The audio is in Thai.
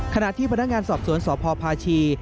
ขณะที่พนักงานสอบสวนสพพาชี